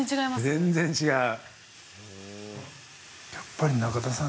◆全然違う。